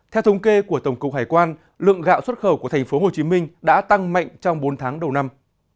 theo thống kê của tổng cục hải quan lượng gạo xuất khẩu của tp hcm đã tăng mạnh trong bốn tháng đầu năm